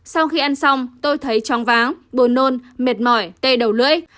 sau khi ăn xong tôi thấy tróng váng bồn nôn mệt mỏi tê đầu lưỡi